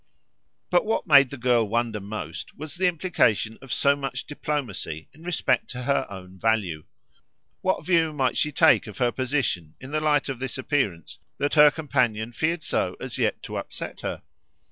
But what made the girl wonder most was the implication of so much diplomacy in respect to her own value. What view might she take of her position in the light of this appearance that her companion feared so as yet to upset her?